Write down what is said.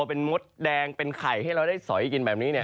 เป็นมดแดงเป็นไข่ให้เราได้สอยกินแบบนี้เนี่ย